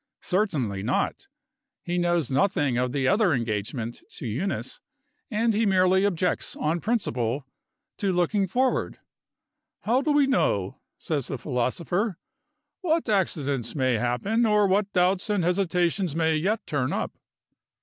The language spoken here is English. Certainly not! He knows nothing of the other engagement to Eunice; and he merely objects, on principle, to looking forward. "How do we know," says the philosopher, "what accidents may happen, or what doubts and hesitations may yet turn up?